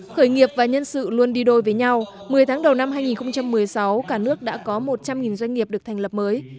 khởi nghiệp và nhân sự luôn đi đôi với nhau một mươi tháng đầu năm hai nghìn một mươi sáu cả nước đã có một trăm linh doanh nghiệp được thành lập mới